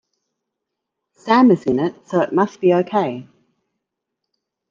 Sam is in it so it must be okay